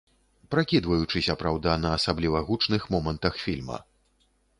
Пракідваючыся, праўда, на асабліва гучных момантах фільма.